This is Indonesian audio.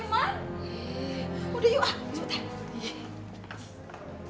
udah yuk ah cepetan